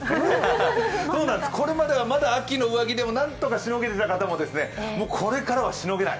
これまでは秋の上着でもなんとかしのげた方でもこれからはもうしのげない。